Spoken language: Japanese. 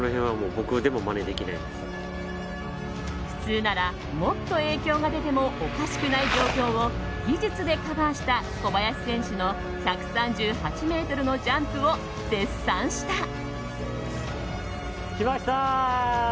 普通ならもっと影響が出てもおかしくない状況を技術でカバーした小林選手の１３８ｍのジャンプを絶賛した。